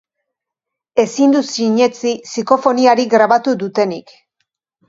Ezin dut sinetsi psikofoniarik grabatu dutenik.